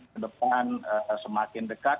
ke depan semakin dekat